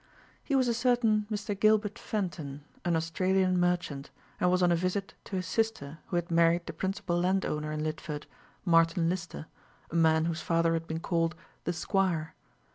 He was a certain Mr. Gilbert Fenton, an Australian merchant, and was on a visit to his sister, who had married the principal landowner in Lidford, Martin Lister a man whose father had been called "the Squire."